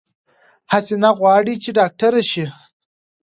حسينه غواړی چې ډاکټره شی